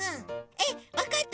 えっわかった。